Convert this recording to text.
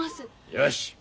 よし。